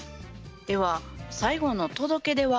では最後の「届出」は？